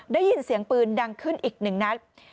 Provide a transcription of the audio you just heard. ได้ยินเสียงปืนดังขึ้นอีกหนึ่งนัด